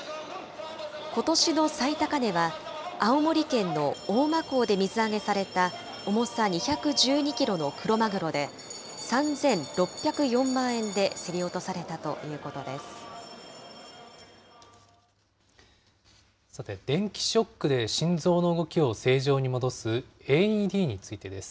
ことしの最高値は、青森県の大間港で水揚げされた重さ２１２キロのクロマグロで、３６０４万円で競り落とされたということです。